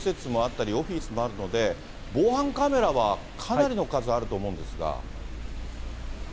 それから商業施設もあったり、オフィスもあるので、防犯カメラはかなりの数あると思うんですが。